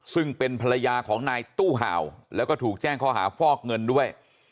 ซึ่งเป็นภรรยาของนายตู้เห่าแล้วก็ถูกแจ้งข้อหาฟอกเงินด้วย